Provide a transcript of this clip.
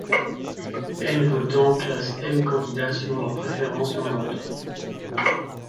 N votants classent M candidats selon leurs préférences dans l’ordre.